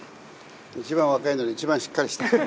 一番若いのに一番しっかりしてる。